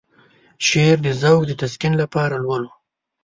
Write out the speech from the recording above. شعر د ذوق د تسکين لپاره لولو.